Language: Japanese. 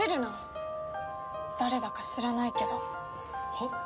はっ？